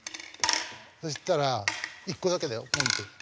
そしたら１個だけだよポンって。